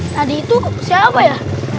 tadi itu siapa ya